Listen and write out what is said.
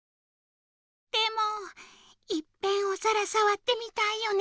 でもいっぺんおさらさわってみたいよね。